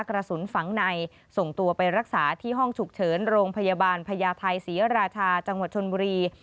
กระสุนฝังในส่งตัวไปรักษาที่ห้องฉุกเฉินโรงพยาบาลพญาไทยศรีราชาจังหวัดชนบุรี